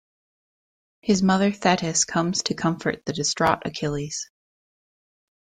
His mother Thetis comes to comfort the distraught Achilles.